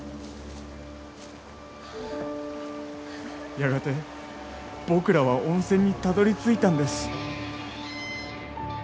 やがて僕らは温泉にたどり着いたんです。